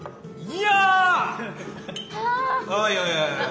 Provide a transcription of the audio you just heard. いや！